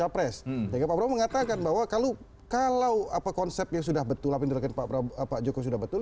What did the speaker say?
presi mengatakan bahwa kalau kalau apa konsepnya sudah betul api nterakan pak jokowi sudah betul